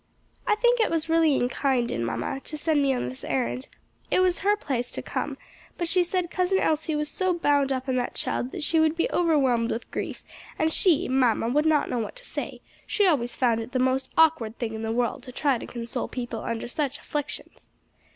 "I think it was really unkind in mamma to send me on this errand; it was her place to come, but she said Cousin Elsie was so bound up in that child that she would be overwhelmed with grief, and she (mamma) would not know what to say; she always found it the most awkward thing in the world to try to console people under such afflictions."